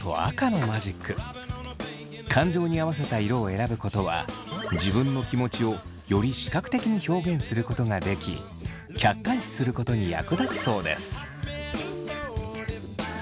感情に合わせた色を選ぶことは自分の気持ちをより視覚的に表現することができ客観視することに役立つそうです。